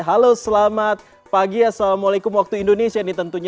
halo selamat pagi ya assalamualaikum waktu indonesia ini tentunya